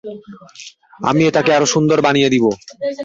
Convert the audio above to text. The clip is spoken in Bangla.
আমি এটাকে আরো সুন্দর বানিয়ে দিব।